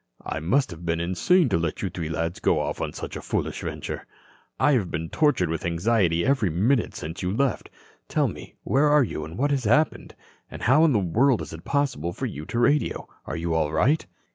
"I must have been insane to let you three lads go off on such a foolish venture. I have been tortured with anxiety every minute since you left. Tell me where you are and what has happened. And how in the world is it possible for you to radio? Are you all right?"